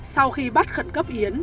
sau khi bắt khẩn cấp yến